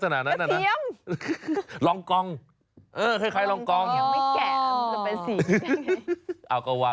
ตรงนี้อะไร